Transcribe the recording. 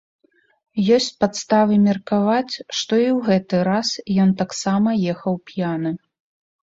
Ёсць падставы меркаваць, што і ў гэты раз ён таксама ехаў п'яны.